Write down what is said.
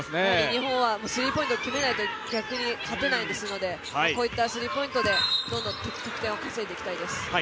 日本はスリーポイントを決めないと逆に勝てないですのでこういったスリーポイントでどんどん得点を稼いでいきたいです。